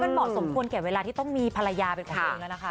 มันเหมาะสมควรแก่เวลาที่ต้องมีภรรยาเป็นของตัวเองแล้วนะคะ